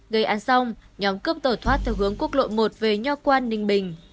gây án xong nhóm cướp tẩu thoát theo hướng quốc lộ một về nho quang ninh bình